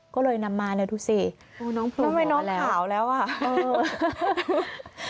ก็เลยนำมาเนี่ยดูสิโอ้ยน้องโผล่มาแล้วทำไมน้องขาวแล้วอ่ะเออ